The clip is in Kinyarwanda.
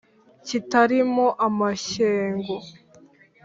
kitali mo amashyengo